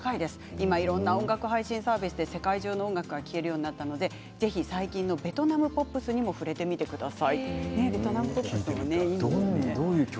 今は音楽配信サービスで世界中の音楽が聴けるようになったのでぜひ、最近のベトナムポップスにも触れてみてください。